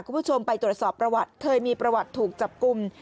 คุณผู้ชมไปตรวจสอบประวัติเคยมีประวัติถูกจับกลุ่ม